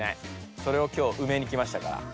それを今日うめにきましたから。